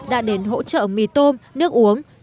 đã đến hỗ trợ mì tôm nước uống giúp người dân vùng nước